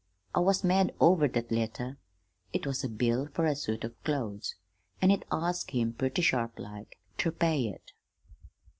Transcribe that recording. I was mad over that letter. It was a bill fer a suit of clothes, an' it asked him purty sharplike ter pay it.